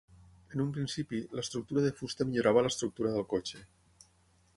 En un principi, l'estructura de fusta millorava l'estructura del cotxe.